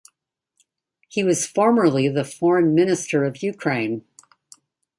He was formerly the foreign minister of Ukraine.